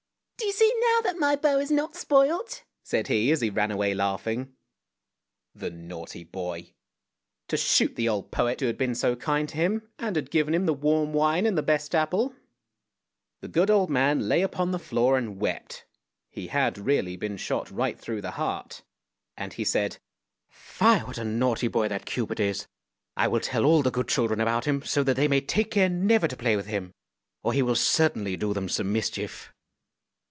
" Do you see now that my bow is not spoilt? " said he as he ran away laughing. The naughty boy ! to shoot the old poet who had been so kind to him, and had given him the warm wine and the best apple. The good old man lay upon the floor and wept, he had really been shot right through the heart, and he said: " Fie, what a naughty boy that Cupid is! I will tell all the good children about him, so that they may take care never to play with him, or he will certainly do them some mischief."